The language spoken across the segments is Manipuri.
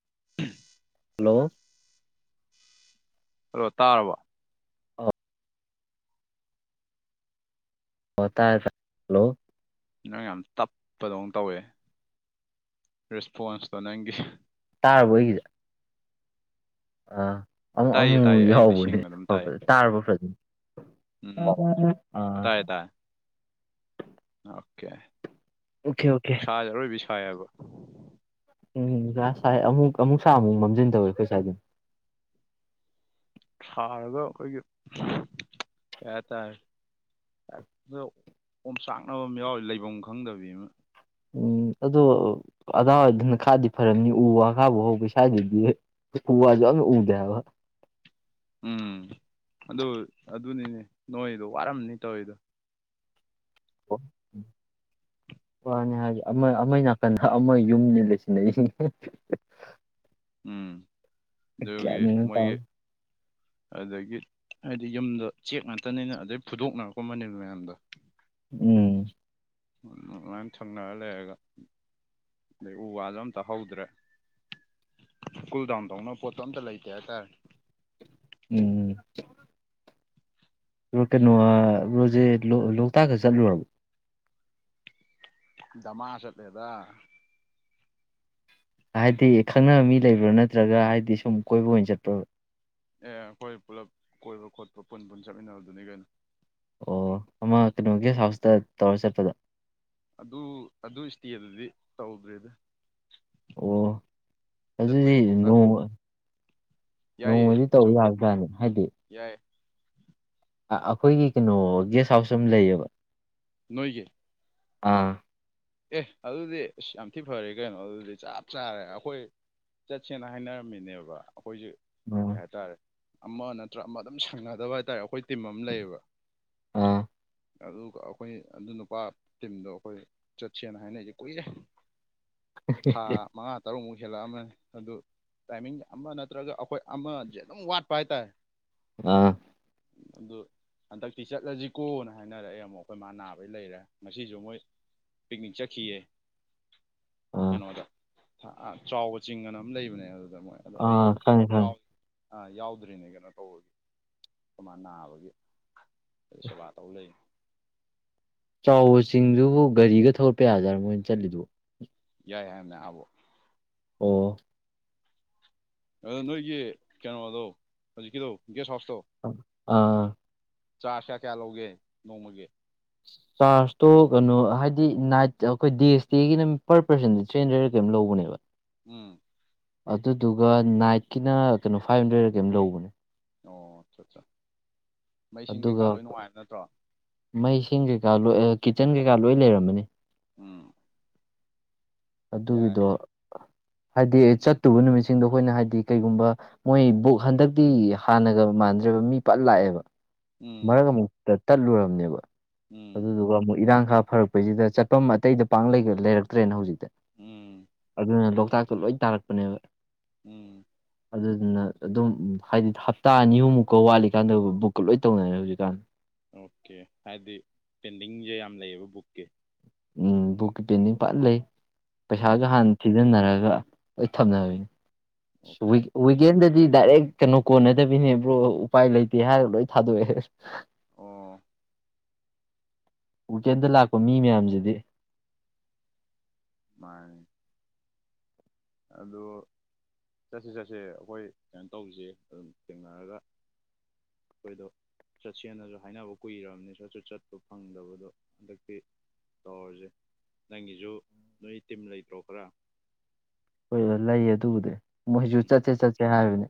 [inaudible] ꯍꯂꯣ ꯍꯜꯂꯣ ꯇꯥꯔꯕꫭ ꯑ ꯑꫭ ꯇꯥꯔꯦ ꯇꯥ ꯍꯜꯂꫭ ꯅꯪ ꯌꯥꯝ ꯇꯞꯄꯗꯧ ꯇꯧꯋꯦ ꯔꯦꯁꯄꯣꯟꯁꯇꯣ ꯅꯪꯒꯤ ꯇꯥꯔꯕꯣ ꯑꯩꯒꯤꯖꯦ ꯑ ꯑꯃꯨꯛ ꯇꯥꯏꯌꯦ ꯇꯥꯏꯌꯦ [unintelligible] ꯑꯩꯕꯨꯗꯤ ꯌꯥꯎꯕꯅꯦ ꯁꯦꯡꯅ ꯑꯗꯨꯝ ꯇꯥꯏꯌꯦ ꯍꯧꯔꯛꯄꯗ ꯇꯥꯔꯕꫭ ꯎꯝ ꯐꯖꯅ ꯎꯝ [unintelligible] ꯑ ꯇꯥꯏꯌꯦ ꯇꯥꯏꯌꯦ ꯑꯣꯀꯦ ꯑꯣꯀꯦ ꯑꯣꯀꯦ ꯅꯨꯡꯁꯥꯖꯦ ꯑꯔꯣꯏꯕꯤ ꯁꯥꯏ ꯍꯥꯏꯕ ꯎꯝ ꯉꯁꯥꯏ [unintelligible] ꯃꯝꯖꯤꯟ ꯇꯧꯋꯦ ꯑꯈꫭꯏ ꯁꯥꯏꯗ ꯁꯥꯔꯒ ꯑꯈꫭꯏꯒꯤ ꯀꯩ ꯍꯥꯏꯇꯥꯔꯦ ꯍꯦꯛꯇ ꯑꯣꯝꯆꯥꯛꯅꯕ ꯑꯃ ꯌꯥꯎꯋꯤ ꯂꯩꯕꯝ ꯈꯪꯗꯕꯤ ꯑꯃ ꯎꯝ ꯑꯗꯣ ꯑꯗꯥꯋꯥꯏꯗꯅ ꯈꯔꯗꯤ ꯐꯔꯝꯅꯤ ꯎ ꯋꯥ ꯈꯔ ꯍꯧꯕꯩ ꯁꯥꯏꯗꯗꯤ ꯎ ꯋꯥꯖꯨ ꯑꯝꯇ ꯎꯗꯦ ꯍꯥꯏꯕ ꯎꯝ ꯑꯗꯨ ꯑꯗꯨꯅꯤꯅꯦ ꯅꯣꯏꯗꯣ ꯋꯥꯔꯝꯅꯤ ꯇꯧꯔꯤꯗꯣ [unintelligible] ꯋꯥꯅꯤ ꯍꯥꯏꯖꯨ ꯑꯃ ꯑꯃꯒꯤ ꯅꯥꯀꯟꯗ ꯑꯃ ꯌꯨꯝꯅꯤ ꯂꯩꯁꯟꯅꯩꯖꯤꯡꯁꯦ ꯎꯝ ꯑꯗꯨꯒꯤ ꯒ꯭ꯌꯥꯟ ꯃꯦꯟ ꯑꯝ ꯇꯥ ꯃꯣꯏꯒꯤ ꯑꯗꯒꯤ ꯍꯥꯏꯗꯤ ꯌꯨꯝꯗꫭ ꯆꯦꯛ ꯉꯥꯛꯇꯅꯤꯅ ꯑꯗꯩ ꯐꯨꯗꯣꯛꯅꯔꯛꯄ ꯃꯅꯤꯟ ꯃꯌꯥꯝꯗꫭ ꯎꯝ [unintelligible] ꯊꯪꯅꯔ ꯂꯩꯔꯒ ꯑꯗꯩ ꯎ ꯋꯥꯖꯨ ꯑꯝꯇ ꯍꯧꯗ꯭ꯔꯦ ꯀꯨꯜ ꯗꯥꯎꯟ ꯇꯧꯅꯕ ꯄꯣꯠꯇꯣ ꯑꯝꯇ ꯂꯩꯇꯦ ꯍꯥꯏꯇꯥꯔꯦ ꯎꯝ [unintelligible] ꯔꯣꯖꯦ ꯂꯣꯛꯇꯥꯛꯀ ꯆꯠꯂꯨꯔꯕꫭ ꯗꯃꯥꯥ ꯆꯠꯂꯦꯗ ꯍꯥꯏꯗꯤ ꯈꯪꯅꯕ ꯃꯤ ꯂꯩꯕ꯭ꯔ ꯅꯠꯇ꯭ꯔꯒ ꯍꯥꯏꯗꯤ ꯁꯨꯝ ꯀꯣꯏꯕ ꯑꯣꯏꯅ ꯆꯠꯄ꯭ꯔꯕ ꯑꯦ ꯑꯩꯈꯣꯏ ꯄꯨꯂꯞ ꯀꯣꯏꯕ ꯈꯣꯠꯄ ꯄꯨꯟ ꯄꯨꯟ ꯆꯠꯃꯤꯟꯅꯕꯗꯨꯅꯤ ꯀꯩꯅꯣ ꯑꯣ ꯑꯃ ꯀꯩꯅꯣꯒꯤ [unintelligible] ꯇꯧꯔ ꯆꯠꯄꯗꫭ ꯑꯗꯨ ꯑꯗꯨ ꯏꯁꯇꯦꯗꯨꯗꯤ ꯇꯧꯗ꯭ꯔꯦꯗ ꯑꯣ ꯑꯗꯨꯗꯤ ꯆꯠꯄꯩ ꯂꯣꯛꯇꯥꯛ ꯅꯣꯡꯃ ꯌꯥꯏꯌꯦ ꯅꯣꯡꯃꯗꯤ ꯇꯧꯔꯨ ꯆꯧ ꯌꯥꯞꯖꯥꯠꯅꯤ ꯍꯥꯏꯗꯤ ꯌꯥꯏ ꯑꯈꯣꯏꯒꯤ ꯀꯩꯅꯣ ꯒꯦꯁ ꯍꯥꯎꯁ ꯑꯃ ꯂꯩꯌꯦꯕ ꯅꯣꯏꯒꯤ ꯑ ꯑꯦ ꯑꯗꯨꯗꯤ ꯑꯁ ꯌꯥꯝ ꯊꯤ ꯐꯔꯦ ꯀꯩꯅꯣ ꯑꯗꯨꯗꯤ ꯆꯞ ꯆꯥꯔꯦ ꯑꯈꯣꯏ ꯆꯠꯁꯦꯅ ꯍꯥꯏꯅꯔꯝꯃꯤꯅꯦꯕ ꯑꯈꯣꯏꯁꯦ ꯑꯥ ꯀꯩ ꯍꯥꯏꯇꯥꯔꯦ ꯑꯃ ꯅꯠꯇ꯭ꯔ ꯑꯃ ꯑꯗꯨꯝ ꯁꯪꯅꯗꯕ ꯍꯥꯏꯇꯥꯔꯦ ꯑꯩꯈꯣꯏ ꯇꯤꯝ ꯑꯃ ꯂꯩꯌꯦꯕ ꯑꯥ ꯑꯗꯨꯒ ꯑꯈꯣꯏ ꯑꯗꯨ ꯅꯨꯄꯥ ꯇꯤꯝꯗꯣ ꯑꯈꯣꯏ ꯆꯠꯁꯦꯅ ꯍꯥꯏꯅꯩꯖꯦ ꯀꯨꯏꯔꯦ ꯊꯥ ꯃꯉꯥ ꯇꯔꯨꯛꯃꯨꯛ ꯍꯦꯜꯂꯑꯝꯃꯅꯤ ꯑꯗꯨ ꯇꯥꯏꯃꯤꯡ ꯑꯃ ꯅꯠꯇ꯭ꯔꯒ ꯑꯈꯣꯏ ꯑꯃꯖꯦ ꯑꯗꯨꯝ ꯋꯥꯠꯄ ꯍꯥꯏꯇꯥꯔꯦ ꯑ ꯑꯗꯨ ꯍꯟꯗꯛꯇꯤ ꯆꯠꯂꯁꯤꯀꯣꯅ ꯍꯥꯏꯅꯔꯛꯑꯦ ꯑꯃꯨꯛ ꯑꯩꯈꯣꯏ ꯃꯥ ꯅꯥꯕꯩ ꯂꯩꯔꯦ ꯉꯁꯤꯁꯨ ꯃꯣꯏ ꯄꯤꯛꯅꯤꯛ ꯆꯠꯈꯤꯌꯦ ꯑꯥ ꯀꯩꯅꯣꯗ [unintelligible] ꯆꯥꯎꯕ ꯆꯤꯡ ꯍꯥꯏꯅꯥ ꯑꯃ ꯂꯩꯕꯅꯦ ꯑꯗꯨꯗ ꯑꯩ ꯑꯥ ꯈꯪꯉꯦ ꯈꯪꯉꯦ ꯌꯥꯎ ꯑꯥ ꯌꯥꯎꯗ꯭ꯔꯤꯅꯦ ꯀꯩꯅꯣ ꯇꯧꯕ ꯑꯩꯈꯣꯏ ꯃꯥ ꯅꯕꯒꯤ ꯁꯦꯕꯥ ꯇꯧ ꯂꯩ ꯆꯥꯎꯕ ꯆꯁꯤꯡꯗꯨꯕꯨ ꯒꯥꯔꯤꯒ ꯊꯧꯒꯠꯄ ꯌꯥꯖꯔꯥ ꯃꯣꯏꯅ ꯆꯠꯂꯤꯗꯨꯕꯨ ꯌꯥꯏ ꯍꯥꯏꯝꯅꯦ ꯑꯥꯕꫭꯛ ꯑꯣ ꯑꯗꯨ ꯅꯣꯏꯒꯤ ꯀꯩꯅꯣꯗꯣ ꯍꯧꯖꯤꯛꯀꯤꯗꯣ ꯒꯦꯁ ꯍꯥꯎꯁꯇꯣ ꯑ ꯆꯥꯔꯖ ꯀꯌꯥ ꯀꯌꯥ ꯂꯧꯒꯦ ꯅꯣꯡꯃꯒꯤ ꯆꯥꯔꯖꯇꯣ ꯀꯩꯅꯣ ꯍꯥꯏꯗꯤ ꯅꯥꯏꯠ ꯑꯩꯈꯣꯏ ꯗꯦ ꯏꯁꯇꯦꯒꯤꯅ ꯄꯔ ꯄꯔꯁꯦꯟꯗ ꯊ꯭ꯔꯤ ꯍꯟꯗ꯭ꯔꯦꯗꯂꯥ ꯀꯩꯅꯣꯝ ꯂꯧꯕꯅꯦꯕꯥ ꯎꯝ ꯑꯗꯨꯗꯨꯒ ꯅꯥꯏꯠꯀꯤꯅ ꯐꯥꯏꯚ ꯍꯟꯗ꯭ꯔꯦꯠꯂ ꯀꯩꯝꯅꯣ ꯂꯧꯕꯅꯦ ꯑꯣ ꯆꯠ ꯆꯠ ꯑꯗꯨꯒ ꯃꯩꯁꯤꯡ ꯀꯩꯀꯥ ꯂꯣꯏ ꯀꯤꯠꯆꯟ ꯀꯩꯀꯥ ꯂꯣꯏ ꯂꯩꯔꯝꯃꯅꯤ ꯎꯝ ꯌꯥꯏ ꯑꯗꯨꯒꯤꯗꯣ ꯍꯥꯏꯗꯤ ꯆꯠꯇꯨꯕ ꯅꯨꯃꯤꯠꯁꯤꯡꯗꯣ ꯑꯩꯈꯣꯏꯅ ꯍꯥꯏꯗꯤ ꯀꯩꯒꯨꯝꯕ ꯃꯣꯏ ꯕꯨꯛ ꯍꯟꯗꯛꯇꯤ ꯍꯥꯟꯅꯒ ꯃꯥꯟ ꯃꯥꯟꯗ꯭ꯔꯦꯕ ꯃꯤ ꯄꯠ ꯂꯥꯛꯑꯦꯕ ꯎꯝ ꯃꯔꯛ ꯑꯃꯨꯛ ꯇꯠꯂꯨꯔꯕꯅꯦꯕ ꯎꯝ ꯑꯗꯨꯗꯨꯒ ꯑꯃꯨꯛ ꯏꯔꯥꯡ ꯈꯥꯔ ꯐꯔꯛꯄꯩꯁꯤꯗ ꯆꯠꯐꯝ ꯑꯇꯩꯗ ꯄꯥꯛ ꯂꯩꯔꯛꯇ꯭ꯔꯦꯅ ꯍꯧꯖꯤꯛꯇꯤ ꯎꯝ ꯑꯗꯨꯅ ꯂꯣꯛ ꯆꯥꯛꯇ ꯂꯣꯏ ꯇꯥꯔꯛꯄꯅꯦꯕ ꯎꯝ ꯑꯗꯨꯗꯨꯅ ꯑꯗꯨꯝ ꯍꯥꯏꯗꯤ ꯍꯞꯇꯥ ꯑꯅꯤ ꯑꯍꯨꯝ ꯃꯨꯛꯀꯥ ꯋꯥꯠꯂꯤꯀꯥꯟꯗ ꯕꯨꯛꯀꯥ ꯂꯣꯏ ꯇꯧꯅꯔꯦ ꯍꯧꯖꯤꯛꯀꯥꯟ ꯑꯣꯀꯦ ꯍꯥꯏꯗꯤ ꯄꯦꯟꯗꯤꯡꯁꯦ ꯌꯥꯝ ꯂꯩꯌꯦꯕ ꯕꯨꯛꯀꯤ ꯎꯝ ꯕꯨꯛꯀꯤ ꯄꯦꯟꯗꯤꯡ ꯐꯖꯅ ꯂꯩ ꯄꯩꯁꯥꯁꯨ ꯎꯝ ꯍꯥꯟꯅ ꯊꯤꯖꯤꯟꯅꯔꯒ ꯑꯩ ꯊꯝꯅꯔꯦ ꯎꯝ ꯑꯣꯀꯦ ꯋꯤꯛꯀꯦꯟꯗꯗꯤ ꯗꯥꯏꯔꯦꯛ ꯀꯩꯅꯣ ꯀꯣꯟꯅꯗꯕꯤꯅꯦ ꯕ꯭ꯔꯣ ꯎꯄꯥꯏ ꯂꯩꯇꯦ ꯍꯥꯏꯔꯤꯕꯥ ꯑꯩ ꯊꯥꯗꯣꯛꯑꯦ ꯑꯣ ꯋꯤꯀꯦꯟꯗ ꯂꯥꯛꯄ ꯃꯤ ꯃꯌꯥꯝꯁꯤꯗꯤ ꯃꯥ ꯑꯗꯣ ꯆꯠꯁꯦ ꯆꯠꯁꯦ ꯑꯩꯈꯣꯏ ꯀꯩꯅꯣ ꯇꯧꯁꯦ ꯑꯗꯨꯝ ꯊꯦꯡꯅꯔꯒ ꯑꯩꯈꯣꯏꯗꯣ ꯆꯠꯁꯦꯅꯁꯨ ꯍꯥꯏꯅꯕ ꯀꯨꯏꯔꯕꯅꯤ ꯆꯠꯁꯨ ꯆꯠꯄ ꯐꯪꯗꯕꯗꯣ ꯍꯟꯗꯛꯇꯤ ꯇꯧꯔꯁꯦ ꯅꯪꯒꯤꯁꯨ ꯅꯣꯏ ꯇꯤꯝ ꯂꯩꯇ꯭ꯔꯣ ꯈꯔꯥ ꯍꯣꯏ ꯂꯩꯌꯦ ꯑꯗꯨꯕꯨꯗꯤ ꯃꯣꯏꯁꯨ ꯆꯠꯁꯦ ꯆꯠꯁꯦ ꯍꯥꯏꯕꯅꯤ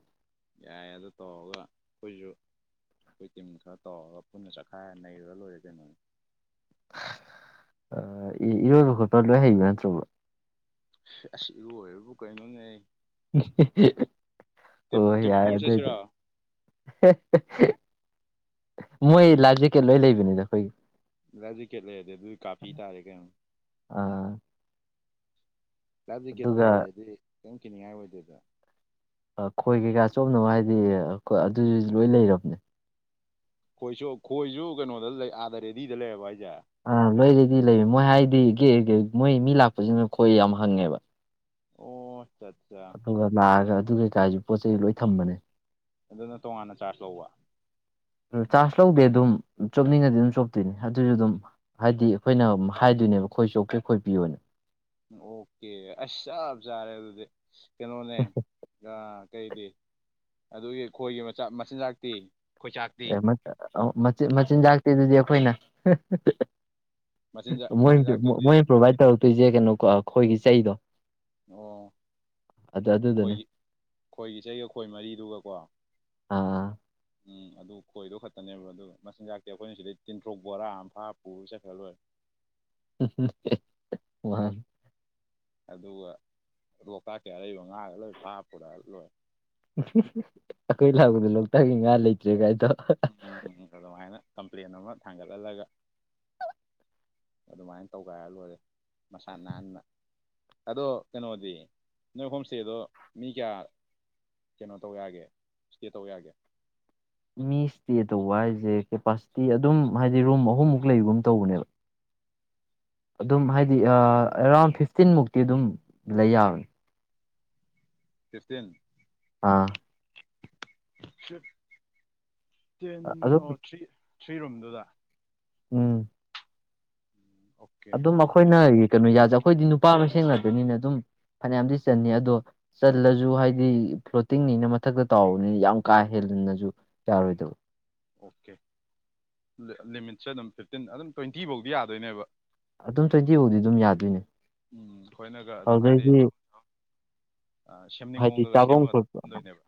ꯌꯥꯏꯌꯦ ꯑꯗꯨ ꯇꯧꯔꯒ ꯑꯩꯈꯣꯏꯁꯨ ꯑꯩꯈꯣꯏ ꯇꯤꯝ ꯈꯔ ꯇꯧꯔꯒ ꯄꯨꯟꯅ ꯆꯠꯈꯥꯏꯔꯒ ꯅꯩꯔꯨꯔ ꯂꯣꯏꯔꯦ ꯀꯩꯅꯣ ꯑꯥ ꯏꯔꯣꯏꯕ ꯈꯣꯠꯄꯥ ꯂꯣꯏ ꯍꯩꯕ ꯅꯠꯇ꯭ꯔꯣ ꯕꯔꯣ ꯑꯁ ꯏꯔꯣꯏꯕꯨ ꯀꯔꯤꯅꯣꯅꯦ [unintelligible] ꯇ꯭ꯔꯤꯞ ꯑꯣ ꯇ꯭ꯔꯤꯞ ꯌꯥꯔꯦ ꯄꯨꯔ ꯑꯗꯨ ꯑꯣꯏꯗꯤ ꯆꯠꯁꯤꯔꯣ [unintelligible] ꯃꯣꯏ ꯂꯥꯐ ꯖꯦꯀꯦꯠ ꯂꯣꯏ ꯂꯩꯕꯅꯤꯗ ꯑꯩꯈꯣꯏꯒꯤ ꯂꯥꯏꯐ ꯖꯦꯀꯦꯠ ꯂꯩꯔꯗꯤ ꯑꯗꯨ ꯀꯥꯔꯗ ꯄꯤ ꯇꯥꯔꯦ ꯀꯩꯅꯣ ꯑꯥ ꯂꯥꯏꯐ ꯖꯦꯀꯦꯠꯄꯨ ꯑꯗꯨꯒ ꯂꯩꯔꯗꯤ ꯀꯦꯝ ꯀꯤꯅꯤꯡꯉꯥꯏ ꯑꯣꯏꯗꯦꯗ ꯑꯈꯣꯏꯒꯤ [unintelligible] ꯍꯥꯏꯗꯤ ꯑꯗꯨꯁꯨ ꯂꯣꯏ ꯂꯩꯔꯕꯅꯦ ꯈꯣꯏꯁꯨ ꯈꯣꯏꯁꯨ ꯀꯩꯅꯣꯗ ꯂꯩ ꯑꯥꯗ ꯔꯦꯗꯤꯗ ꯂꯩꯔꯕꯣ ꯍꯥꯏꯁꯦ ꯑꯥ ꯂꯩꯔꯗꯤ ꯂꯩꯌꯦ ꯃꯣꯏ ꯍꯥꯏꯗꯤ ꯒꯦ ꯒꯦ ꯃꯣꯏ ꯃꯤ ꯂꯥꯛꯄꯁꯤꯅ ꯈꯣꯏ ꯌꯥꯝ ꯍꯪꯉꯦꯕ ꯑꯣ ꯑꯠꯆꯥ ꯑꯠꯆꯥ ꯑꯗꯨꯒ ꯂꯥꯛꯑꯒ ꯑꯗꯨ [unintelligible] ꯄꯣꯠ ꯆꯩ ꯂꯣꯏ ꯊꯝꯕꯅꯦ ꯑꯗꯨꯅ ꯇꯣꯉꯥꯟꯅ ꯆꯥꯔꯖ ꯂꯧꯕ ꯆꯥꯔꯖ ꯂꯧꯗꯦ ꯑꯗꯨꯝ ꯆꯣꯞꯅꯤꯡꯉꯗꯤ ꯑꯗꯨꯝ ꯆꯣꯞꯇꯣꯏꯅꯦ ꯑꯗꯨꯖꯨꯗꯨꯝ ꯍꯥꯏꯗꯤ ꯑꯩꯈꯣꯏꯅ ꯍꯥꯏ ꯅꯦꯕ ꯈꯣꯏ ꯆꯣꯞꯀꯦ ꯈꯣꯏ ꯄꯤꯌꫭꯅ ꯑꯣꯀꯦ ꯑꯁ ꯆꯞ ꯆꯥꯔꯦ ꯑꯗꯨꯗꯤ ꯀꯩꯅꯣꯅꯦ ꯑ ꯀꯩꯗꯤ ꯑꯗꯨꯒꯤ ꯈꯣꯏꯒꯤ [unintelligible] ꯃꯆꯤꯟꯖꯥꯛꯇꯤ ꯈꯣꯏꯆꯥꯛꯇꯤ ꯑꯦ [unintelligible] ꯃꯆꯤꯟꯖꯥꯛꯇꯤ ꯑꯗꯨꯗꯤ ꯑꯩꯈꯣꯏꯅ ꯃꯆꯤꯟꯖꯥꯛ ꯃꯣꯏ ꯃꯆꯤꯟꯖꯥꯛꯇꯨꯗꯤ ꯃꯣꯏꯅ ꯄ꯭ꯔꯣꯚꯥꯏꯠ ꯇꯧꯔꯛꯇꯣꯏꯖꯦ ꯀꯩꯅꯣ ꯈꯣꯏꯒꯤ ꯆꯩꯗꯣ ꯑꯣ ꯑꯗꯨ ꯑꯗꯨꯗꯨꯅꯦ ꯈꫭꯏꯒꯤ ꯈꯣꯏꯒꯤ ꯆꯩꯒ ꯈꯣꯏ ꯃꯔꯤꯗꯨꯒꯀꯣ ꯑ ꯎꯝ ꯑꯗꯨ ꯈꯣꯏꯗꯣ ꯈꯇꯅꯦꯕ ꯑꯗꯨꯒ ꯃꯆꯤꯟꯖꯥꯛꯇꯤ ꯑꯈꯣꯏꯅ ꯁꯤꯗꯩ ꯇꯤꯟꯊ꯭ꯔꯣꯛ ꯕꯣꯔꯥ ꯑꯃ ꯐꯥꯔ ꯄꯨꯔ ꯆꯠꯈ꯭ꯔ ꯂꯣꯏꯔꯦ [unintelligible] ꯑꯗꯨꯒ ꯂꫭꯛꯇꯥꯛꯀꯤ ꯑꯔꯩꯕ ꯉꯥꯒꯩ ꯂꫭꯏ ꯐꯥꯔ ꯄꯨꯔꯑ ꯂꫭꯏꯔꯦ ꯑꯈꯣꯏ ꯂꯥꯛꯄꯗ ꯂꯣꯛꯇꯥꯛꯀꯤ ꯉꯥ ꯂꯩꯇ꯭ꯔꯦ ꯒꯥꯏꯗꯣ ꯎꯝ ꯑꯗꯨꯃꯥꯏꯅ ꯀꯝꯄ꯭ꯂꯦꯟ ꯑꯃ ꯊꯥꯡꯒꯠꯂꯜꯂꯒ ꯑꯗꯨꯝꯃꯥꯏ ꯇꯧꯒꯥꯏꯔ ꯂꯣꯏꯔꯦ ꯃꯁꯥ ꯅꯥꯟꯅ ꯑꯗꯣ ꯀꯩꯅꯣꯗꯤ ꯅꫭꯏ ꯍꫭꯝ ꯏꯁꯇꯦꯗꯣ ꯃꯤ ꯀꯌꯥ ꯀꯩꯅꯣ ꯇꯧ ꯌꯥꯒꯦ ꯏꯁꯇꯦ ꯇꯧ ꯌꯥꯒꯦ ꯃꯤ ꯏꯁꯇꯦ ꯇꯧꯕ ꯍꯥꯏꯖꯦ ꯀꯦꯄꯥꯁꯤꯇꯤ ꯑꯗꯨꯝ ꯍꯥꯏꯗꯤ ꯔꯨꯝ ꯑꯍꯨꯝꯃꯨꯛ ꯂꯩꯒꯨꯝ ꯇꯧꯕꯅꯦꯕ ꯑꯗꯨꯝ ꯍꯥꯏꯗꯤ ꯑ ꯑꯦꯔꯥꯎꯟ ꯐꯤꯞꯇꯤꯟ ꯃꯨꯛꯇꯤ ꯑꯗꯨꯝ ꯂꯩ ꯌꯥꯕꯅꯤ ꯐꯤꯞꯇꯤꯟ ꯑꯥ ꯑꯗꯨꯝ [unintelligible] ꯊ꯭ꯔꯤ ꯔꯨꯝꯗꯨꯗ ꯎꯝ ꯑꯣꯀꯦ ꯑꯗꯨꯝ ꯑꯗꯨꯗꯤ ꯑꯈꯣꯏꯅ ꯀꯩꯅꯣ ꯌꯥꯖ ꯑꯈꯣꯏꯗꯤ ꯅꯨꯄꯥ ꯃꯁꯦꯟ ꯉꯥꯛꯇꯅꯤꯅ ꯑꯗꯨꯝ ꯐꯅꯤꯌꯥꯝꯗꯤ ꯆꯟꯅꯤ ꯑꯗꯣ ꯆꯜꯂꯖꯨ ꯍꯥꯏꯗꯤ ꯐ꯭ꯂꯣꯇꯤꯡꯅꯤꯅ ꯃꯊꯛꯇ ꯇꯥꯎꯕꯅꯤꯅ ꯌꯥꯝ ꯀꯥ ꯍꯦꯜ ꯑꯗꯨꯅꯖꯨ ꯌꯥꯔꯣꯏꯗꯕ ꯑꯣꯀꯦ ꯂꯤꯃꯤꯠꯁꯦ ꯑꯗꯨꯝ ꯐꯤꯞꯇꯤꯟ ꯑꯗꯨꯝ ꯇꫭꯏꯟꯇꯤ ꯕꯧꯗꯤ ꯌꯥꯗꯣꯏꯅꯦꯕ ꯑꯗꯨꯝ ꯇꫭꯏꯟꯇꯤ ꯕꯧꯗꯤ ꯑꯗꯨꯝ ꯌꯥꯗꯣꯏꯅꯦ ꯎꯝ ꯊꯣꯏꯅꯒ ꯑꯗꯨꯝ ꯍꯥꯏꯗꯤ ꯑꯗꯨꯗꯩꯗꯤ ꯑ ꯁꯦꯝꯅꯤꯡꯕ ꯍꯥꯏꯗꯤ ꯃꯋꫭꯡꯗꯒ ꯆꯥꯐꯝ ꯁꯦꯝꯃꯒ ꯈꯣꯠꯄ [unintelligible] ꯅꯦꯕ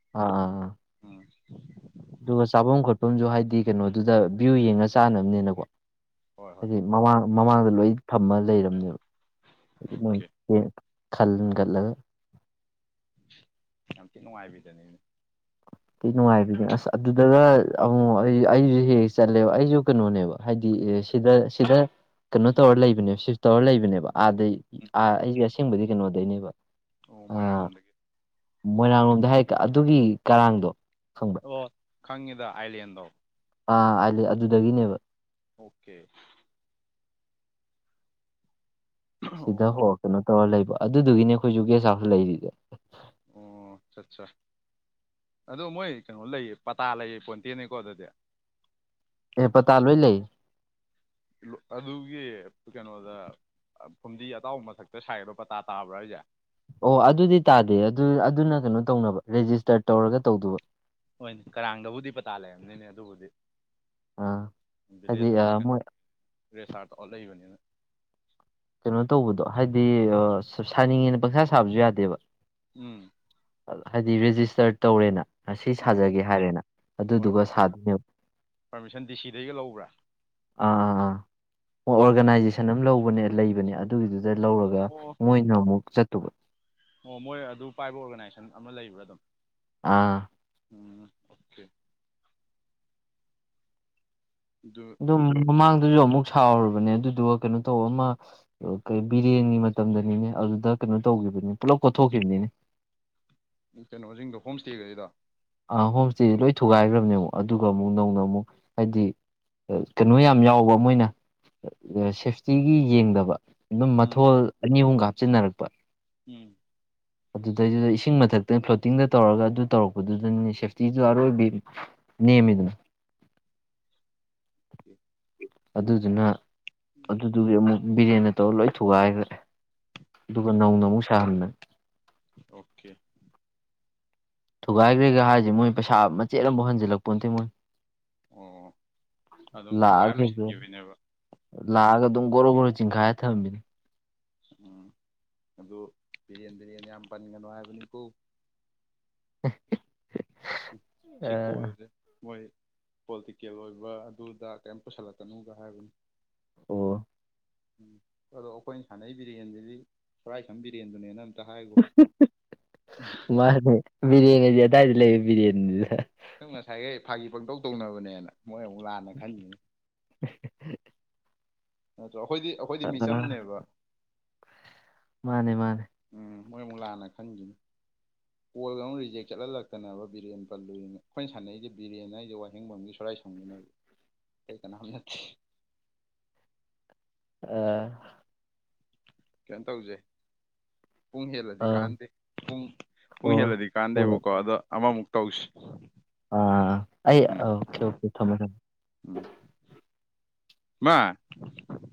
ꯑꯥ ꯑꯥ ꯎꯝ ꯑꯗꯨꯒ ꯆꯥꯕꯝ ꯈꯣꯠꯄꯝꯖꯨ ꯍꯥꯏꯗꯤ ꯀꯩꯅꯣꯗꯨꯗ ꯚꯤꯎ ꯌꯦꯡꯉ ꯆꯥꯅꯝꯅꯦꯅꯀꯣ ꯍꯣꯏ ꯍꯣꯏ ꯍꯥꯏꯗꯤ ꯃꯃꯥꯡ ꯃꯃꯥꯡꯗ ꯂꯣꯏ ꯊꯝꯃ ꯂꯩꯔꯝꯅꯦꯕ ꯃꯣꯏ ꯑꯣꯀꯦ ꯇꯦꯟ ꯈꯜꯒꯠꯂꯒ ꯌꯥꯝ ꯊꯤ ꯅꯨꯡꯉꯥꯏꯕꯤꯗꯅꯦꯃꯤ ꯊꯤ ꯅꯨꯡꯉꯥꯏꯕꯤꯅꯦ ꯑꯁ ꯑꯗꯨꯗꯒ ꯑꯃꯨꯛ ꯑꯩ ꯑꯩꯖꯨ ꯍꯦꯛ ꯍꯦꯛ ꯆꯠꯂꯦꯕ ꯑꯩꯖꯨ ꯀꯩꯅꯣꯅꯦꯕ ꯍꯥꯏꯗꯤ [unintelligible] ꯁꯤꯗ ꯁꯤꯗ ꯀꯩꯅꯣ ꯇꯧꯔ ꯂꯩꯕꯅꯦꯕ ꯁꯤꯐ ꯇꯧꯔ ꯂꯩꯕꯅꯦꯕ ꯑꯥꯗꯩꯥ ꯎꯝ ꯑꯩꯖꯦ ꯑꯁꯦꯡꯕꯗꯤ ꯀꯩꯅꯣꯗꯩꯅꯦꯕ ꯑꯣ ꯃꯣꯏꯔꯥꯡ ꯂꯣꯝꯗꯒꯤ ꯃꯣꯏꯔꯥꯡꯂꯣꯝꯗ ꯍꯥꯏ ꯑꯗꯨꯒꯤ ꯀꯔꯥꯡꯗꯣ ꯈꯪꯕ꯭ꯔꯥ ꯑꯣ ꯈꯪꯉꯤꯗ ꯑꯥꯏꯂꯦꯟꯗꯣ ꯑꯥ ꯑꯥꯢꯂꯦꯟ ꯑꯗꯨꯗꯒꯤꯅꯦꯕ ꯑꯣꯀꯦ ꯁꯤꯗ ꯍꯣ ꯑꯣ ꯀꯩꯅꯣ ꯇꯧꯔ ꯂꯩꯕ ꯑꯗꯨꯗꯨꯒꯤꯅꯦ [unintelligible] ꯒꯦꯁ ꯍꯥꯎꯁ [unintelligible] ꯑꯣ ꯆꯥ ꯆꯥ ꯑꯗꯣ ꯃꯣꯏ ꯀꯩꯅꯣ ꯂꯩꯌꯦ ꯄꯇꯥ ꯂꯩꯌꯦ ꯄꯣꯟꯇꯦꯅꯦꯀꯣ ꯑꯗꯗꯤ ꯑꯦ ꯄꯇꯥ ꯂꯣꯏ ꯂꯩꯌꯦ [unintelligible] ꯑꯗꯨꯒꯤ ꯀꯩꯅꯣꯗ ꯐꯨꯝꯗꯤ ꯑꯇꯥꯎꯕ ꯃꯊꯛꯇ ꯁꯥꯏꯗꫭ ꯄꯇꯥ ꯇꯥꯕ꯭ꯔꫭ ꯍꯥꯏꯖꯦ ꯑꯣ ꯑꯗꯨꯗꯤ ꯇꯥꯗꯦ ꯑꯗꯨ ꯑꯗꯨꯅ ꯀꯅꯣ ꯇꯧꯅꯕ ꯔꯦꯖꯤꯁꯇꯔ ꯇꯧꯔꯒ ꯇꯧꯗꯧꯕ ꯍꯣꯏꯅꯦ ꯀꯔꯥꯡꯗꯕꯨꯗꯤ ꯄꯇꯥ ꯂꯩꯔꯝꯅꯤꯅꯦ ꯑꯗꯨꯕꯨꯗꯤ ꯑꯥ ꯍꯥꯏꯗꯤ ꯚꯤꯂꯦꯖ ꯑꯃ ꯀꯅꯣ ꯃꯣꯏ ꯔꯦꯁꯇꯥꯔ ꯇꯧꯔ ꯂꯩꯕꯅꯤꯅ ꯀꯅꯣ ꯇꯧꯕꯗꯣ ꯍꯥꯏꯗꯤ ꯁꯥꯅꯤꯡꯉꯦꯅ ꯄꯪꯁꯥ ꯁꯥꯕꯖꯨ ꯌꯥꯗꯦꯕ ꯎꯝ ꯍꯥꯏꯗꯤ ꯔꯦꯖꯤꯁꯇꯔ ꯇꯧꯔꯦꯅ ꯑꯁꯤ ꯎꯝ ꯁꯥꯖꯒꯦ ꯍꯥꯏꯔꯦꯅ ꯍꯣꯏ ꯑꯗꯨꯗꯨꯒ ꯄꯔ- ꯁꯥꯗꯣꯏꯅꯦ ꯑ ꯄꯔꯃꯤꯁꯟ ꯗꯤ ꯁꯤꯗꯩꯒ ꯂꯧꯕ꯭ꯔꯥ ꯑ ꯑ ꯑꯣ ꯑꯣꯔꯒꯅꯥꯏꯖꯦꯁꯟ ꯑꯝ ꯂꯧꯕꯅꯦ ꯂꯩꯕꯅꯦ ꯑꯗꯨꯒꯤꯗꯨꯗ ꯂꯧꯔꯒ ꯑꯣ ꯃꯣꯏꯅ ꯑꯃꯨꯛ ꯆꯠꯇꯧꯕ ꯑꯣ ꯃꯣꯏ ꯑꯗꯨ ꯄꯥꯏꯕ ꯑꯣꯔꯒꯅꯥꯏꯖꯦꯁꯟ ꯑꯃ ꯂꯩꯕ꯭ꯔ ꯑꯗꯨꯝ ꯑꯥ ꯎꯝ ꯑꯣꯀꯦ ꯑꯗꯨ ꯑꯗꯨꯝ ꯃꯃꯥꯡ ꯑꯗꯨꯖꯨ ꯑꯃꯨꯛ ꯁꯥꯎꯔꯨꯕꯅꯦ ꯑꯗꯨꯗꯨꯒ ꯀꯅꯣ ꯇꯧꯋꫭ ꯑꯃ ꯀꯩ ꯕꯤꯔꯦꯟꯒꯤ ꯃꯇꯝꯗꯅꯤꯅꯦ ꯑꯗꯨꯗ ꯀꯩꯅꯣ ꯇꯧꯒꯤꯕꯅꯤꯅꯦ ꯄꯨꯂꯞ ꯀꯣꯠꯊꯣꯛꯈꯤꯝꯅꯤꯅꯦ ꯀꯩꯅꯣꯖꯤꯡꯗꯣ ꯍꯣꯝ ꯏꯁꯇꯦ ꯒꯩꯗꯣ ꯑ ꯍꯣꯝ ꯏꯁꯇꯦ ꯂꯣꯏ ꯊꯨꯒꯥꯏꯒ꯭ꯔꯝꯅꯦ ꯑꯗꯨꯒ ꯑꯃꯨꯛ ꯅꯧꯅ ꯑꯃꯨꯛ ꯍꯥꯏꯗꯤ ꯀꯩꯅꯣ ꯌꯥꯝ ꯌꯥꯎꯕ ꯃꯣꯏꯅ ꯁꯦꯐꯇꯤꯒꯤ ꯌꯦꯡꯗꯕ ꯑꯗꯨꯝ ꯎꯝ ꯃꯊꯣꯜ ꯑꯅꯤ ꯑꯍꯨꯝꯒ ꯍꯥꯞꯆꯤꯟꯅꯔꯛꯄ ꯎꯝ ꯑꯗꯨꯗꯩꯗꯨꯗ ꯏꯁꯤꯡ ꯃꯊꯛꯇ ꯐ꯭ꯂꯣꯇꯤꯡꯗ ꯇꯧꯔꯒ ꯑꯗꯨ ꯇꯧꯔꯛꯄꯗꯨꯗꯅꯦ ꯁꯦꯐꯇꯤꯗꯨ ꯑꯔꯣꯏꯕꯤ ꯅꯦꯝꯃꯤꯗꯅ [inaudible] ꯑꯗꯨꯗꯨꯅ ꯑꯗꯨꯗꯨꯒꯤ ꯑꯃꯨꯛ ꯕꯤꯔꯦꯟꯅ ꯇꯧꯔ ꯂꯣꯏ ꯊꯨꯒꯥꯏꯒ꯭ꯔꯦ ꯑꯗꯨꯒ ꯅꯧꯅ ꯑꯃꯨꯛ ꯁꯥꯍꯟꯕꯅꯦ ꯑꯣꯀꯦ ꯊꯨꯒꯥꯏꯒ꯭ꯔꯦꯒ ꯍꯥꯏꯖꯦ ꯃꯣꯏ ꯄꯩꯁꯥ ꯃꯆꯦꯠ ꯑꯝꯐꯥꯎ ꯍꯟꯖꯜꯂꯛꯄꯣꯠꯇꯦ ꯃꯣꯏ ꯑꯣ ꯑꯗꯨꯝ ꯊꯨꯒꯥꯏꯔ ꯂꯥꯑꯒ ꯂꯣꯏꯁꯤꯟꯈꯤꯕꯅꯦꯕ [unintelligible] ꯂꯥꯑꯒ ꯑꯗꯨꯝ ꯒꯣꯔꯣ ꯒꯣꯔꯣ ꯆꯤꯡꯈꯥꯏꯔ ꯊꯃꯝꯕꯤꯅꯦ ꯎꯝ ꯑꯗꯨ ꯕꯤꯔꯦꯟ ꯕꯤꯔꯦꯟ ꯌꯥꯝ ꯄꯟꯒꯅꯨ ꯍꯥꯏꯕꯅꯤꯀꯣ ꯑꯦ [unintelligible] ꯁꯤꯀꯣꯜꯗ ꯃꯣꯏ ꯄꯣꯂꯤꯇꯤꯀꯦꯜ ꯑꯣꯏꯕ ꯑꯗꯨ ꯑꯗꯥ ꯀꯩꯝ ꯄꯨꯁꯜꯂꯛꯀꯅꫭꯒ ꯍꯥꯏꯕꯅꯦ ꯑꯣ ꯑꯗꯣ ꯑꯈꯣꯏ ꯁꯥꯟꯅꯩ ꯕꯤꯔꯦꯟꯖꯤꯗꯤ ꯁꯣꯔꯥꯏꯁꯝ ꯕꯤꯔꯦꯟꯗꯨꯅꯦꯅ ꯍꯥꯏꯈꯣ [unintelligible] ꯃꯥꯅꯦ ꯕꯤꯔꯦꯟꯑꯖꯦ ꯑꯗꯥꯏꯗ ꯂꯩꯕ ꯕꯤꯔꯦꯟ [unintelligible] ꯅꯪ ꯅꯁꯥꯏꯒꯩ ꯐꯥꯒꯤ ꯄꯪꯇꯧ ꯇꯧꯅꯕꯅꯦꯅ ꯃꯣꯏ ꯑꯃꯨꯛ ꯂꯥꯟꯅ ꯈꯟꯒꯤꯅꯤ [inaudible] ꯑꯈꯣꯏꯗꯤ ꯑꯈꯣꯏꯗꯤ ꯑ ꯃꯤꯆꯝꯅꯦꯕ ꯃꯥꯅꯦ ꯃꯥꯅꯦ ꯎꯝ ꯃꯣꯏ ꯑꯃꯨꯛ ꯂꯥꯟꯅꯅ ꯈꯟꯒꯤꯅꯤ ꯀꯣꯜꯒ ꯑꯃꯨꯛ ꯔꯤꯖꯦꯛ ꯆꯠꯑꯜꯂꯛꯇꯅꯕ ꯕꯤꯔꯦꯟ ꯄꯜꯂꯨꯏꯅ ꯑꯈꯣꯏ ꯁꯥꯟꯅꯩꯁꯦ ꯕꯤꯔꯦꯟ ꯍꯥꯏꯁꯦ ꯋꯥꯍꯦꯡꯕꯝꯒꯤ ꯁꯣꯔꯥꯏ ꯁꯝ ꯒꯤꯅꯦꯕ ꯑꯇꯩ ꯀꯅꯥꯝ ꯅꯠꯇꯦ ꯑ ꯀꯩꯝ ꯇꯧꯖꯦ ꯄꯨꯡ ꯍꯦꯜꯂꯗꯤ ꯑ ꯀꯥꯟꯗꯦ ꯄꯨꯡ ꯍꯣ ꯄꯨꯡ ꯍꯦꯜꯂꯗꯤ ꯍꯣꯏ ꯀꯥꯟꯗꯦꯕꯀꯣ ꯑꯗꫭ ꯑꯃꯃꯨꯛ ꯇꯧꯁꯤ ꯑꯥ ꯑꯩ ꯎꯝ ꯑꯣꯀꯦ ꯑꫭꯀꯦ ꯊꯝꯃꯣ ꯊꯝꯃꯣ ꯎꯝ ꯃꯥ